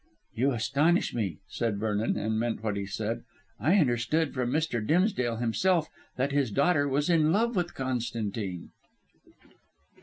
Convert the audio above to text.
"You astonish me," said Vernon, and meant what he said. "I understood from Mr. Dimsdale himself that his daughter was in love with Constantine."